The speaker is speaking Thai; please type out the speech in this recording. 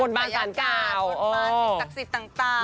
บทบายศักดิ์ศักดิ์ต่าง